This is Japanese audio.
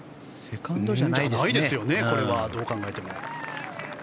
じゃないですよねこれはどう考えても。